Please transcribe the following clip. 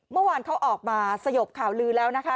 เมื่อวานเขาออกมาสยบข่าวลือแล้วนะคะ